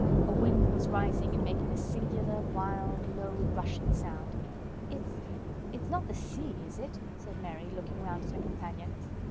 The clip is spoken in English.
A wind was rising and making a singular, wild, low, rushing sound. "It's—it's not the sea, is it?" said Mary, looking round at her companion.